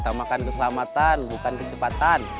terima kasih utamakan keselamatan bukan kecepatan